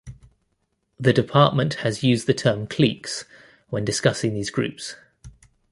The department has used the term "cliques" when discussing these groups.